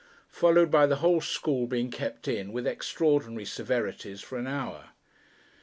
followed by the whole school being kept in, with extraordinary severities, for an hour....